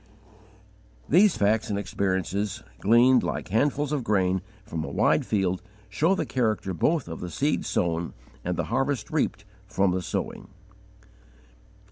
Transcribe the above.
These facts and experiences, gleaned, like handfuls of grain, from a wide field, show the character both of the seed sown and the harvest reaped, from the sowing.